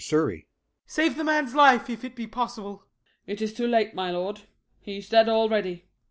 ] SURREY. Save the man's life, if it be possible. SHERIFF. It is too late, my lord; he's dead already. SURREY.